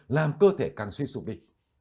làm cơ thể càng suy sụp đi